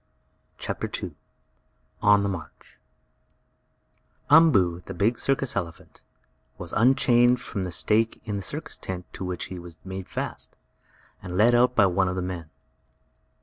CHAPTER II ON THE MARCH Umboo, the big circus elephant, was unchained from the stake in the circus tent to which he was made fast, and led out by one of the men.